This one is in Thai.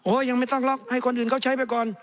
ยังไม่ต้องล็อกให้คนอื่นเขาใช้ไปก่อน